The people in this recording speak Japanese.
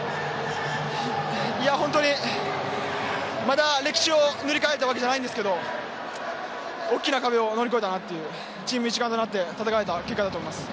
いや、本当にまだ歴史を塗り替えたわけじゃないんですけど大きな壁を乗り越えたなというチーム一丸となって戦えた結果だと思います。